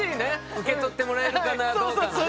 受け取ってもらえるかなどうかのね。